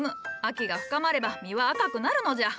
秋が深まれば実は赤くなるのじゃ。